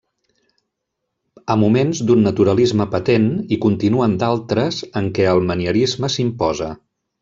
A moments d'un naturalisme patent i continuen d'altres en què el manierisme s'imposa.